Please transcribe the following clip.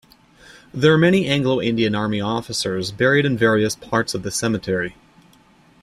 There are many Anglo-Indian Army officers buried in various parts of the cemetery.